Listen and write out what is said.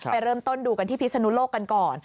ไปเริ่มต้นดูกันที่พิศนุโลกกันก่อน